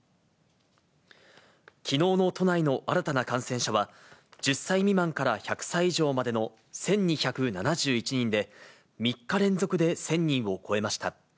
きのうの都内の新たな感染者は１０歳未満から１００歳以上までの１２７１人で、３日連続で１０００人を超えました。